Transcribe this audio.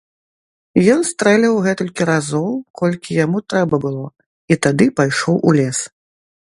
Ён стрэліў гэтулькі разоў, колькі яму трэба было, і тады пайшоў у лес.